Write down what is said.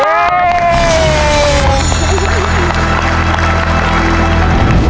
โอ้โห